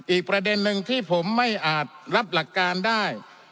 อีกประเด็นหนึ่งที่ผมไม่อาจรับหลักการได้